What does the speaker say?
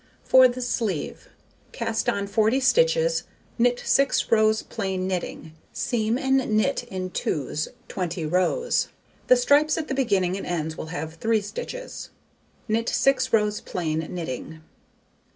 For the sleeve, cast on 40 stitches, knit 6 rows plain knitting, seam and knit in twos 20 rows (the stripes at the beginning and ends will have 3 stitches), knit 6 rows plain knitting.